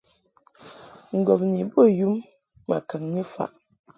Ŋgɔmni bə yum ma kaŋni faʼ.